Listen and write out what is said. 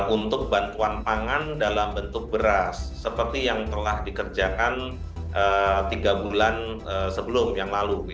untuk bantuan pangan dalam bentuk beras seperti yang telah dikerjakan tiga bulan sebelum yang lalu